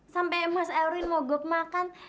sampai mas elwin mau gok makan